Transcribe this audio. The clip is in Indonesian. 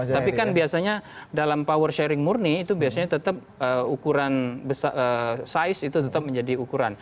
tapi kan biasanya dalam power sharing murni itu biasanya tetap ukuran size itu tetap menjadi ukuran